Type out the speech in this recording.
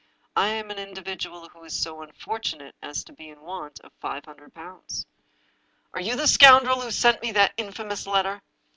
" I am an individual who is so unfortunate as to be in want of five hundred pounds." "Are you the scoundrel who sent me that infamous letter?"